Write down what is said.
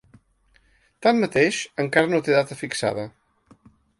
Tanmateix, encara no té data fixada.